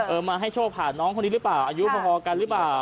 มาให้โชคผ่านน้องคนนี้หรือเปล่าอายุพอกันหรือเปล่า